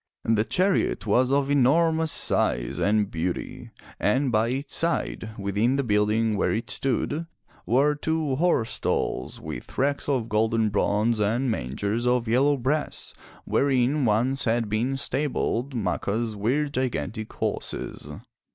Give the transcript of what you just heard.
The chariot was of enormous size and beauty, and by its side, within the building where it stood, were two horse stalls with racks of golden bronze and mangers of yellow brass, wherein once had been stabled Macha's weird gigantic horses.